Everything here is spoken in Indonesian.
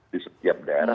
di setiap daerah